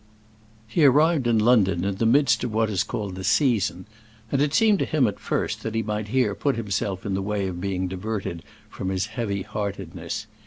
He arrived in London in the midst of what is called "the season," and it seemed to him at first that he might here put himself in the way of being diverted from his heavy heartedness.